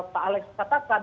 pak alex katakan